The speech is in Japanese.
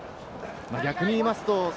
逆に言いますと。